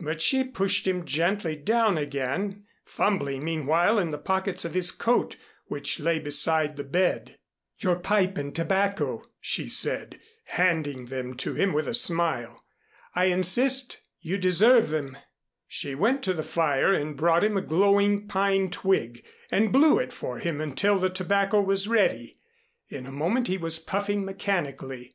But she pushed him gently down again, fumbling meanwhile in the pockets of his coat which lay beside the bed. "Your pipe and tobacco," she said, handing them to him with a smile. "I insist, you deserve them," she went to the fire and brought him a glowing pine twig, and blew it for him until the tobacco was ready. In a moment he was puffing mechanically.